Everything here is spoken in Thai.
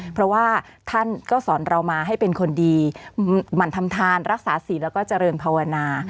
เพราะว่าท่านก็สอนเรามาให้เป็นคนดีหมั่นทำทานรักษาศีลแล้วก็เจริญภาวนา